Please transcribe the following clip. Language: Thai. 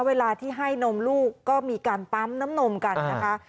เวลาที่ให้นมลูกก็มีการปั๊มน้ำนมกันนะคะ